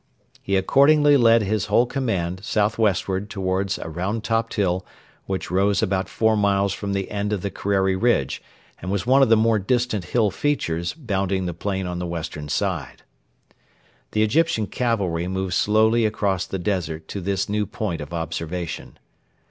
He accordingly led his whole command south westward towards a round topped hill which rose about four miles from the end of the Kerreri ridge and was one of the more distant hill features bounding the plain on the western side. The Egyptian cavalry moved slowly across the desert to this new point of observation.